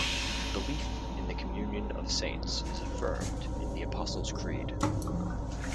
Belief in the communion of saints is affirmed in the Apostles' Creed.